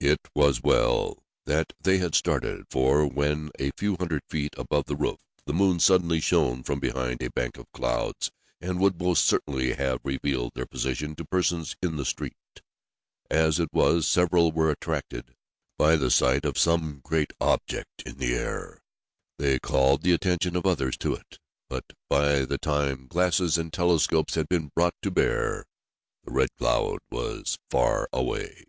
It was well that they had started for, when a few hundred feet above the roof, the moon suddenly shone from behind a bank of clouds and would most certainly have revealed their position to persons in the street. As it was several were attracted by the sight of some great object in the air. They called the attention of others to it, but, by the time glasses and telescopes had been brought to bear, the Red Cloud was far away.